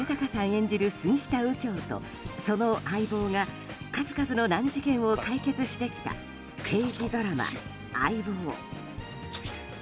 演じる杉下右京とその相棒が数々の難事件を解決してきた刑事ドラマ「相棒」。